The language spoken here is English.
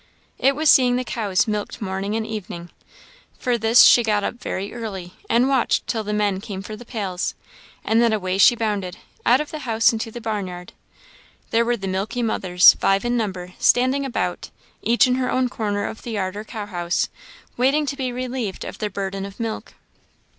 It was seeing the cows milked morning and evening. For this she got up very early, and watched till the men came for the pails; and then away she bounded, out of the house and to the barnyard. There were the milky mothers, five in number, standing about, each in her own corner of the yard or cowhouse, waiting to be relieved of their burden of milk.